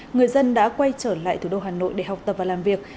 người dân đã quay trở lại thủ đô hà nội để học tập và làm việc